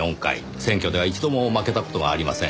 選挙では一度も負けた事がありません。